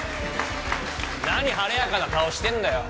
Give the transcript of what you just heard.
何晴れやかな顔してんだよ？